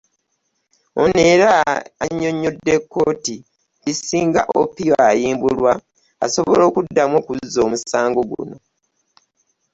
Ono era annyonnyodde kkooti nti singa Opio ayimbulwa, asobola okuddamu okuzza omusango guno